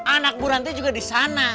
anak bu rante juga disana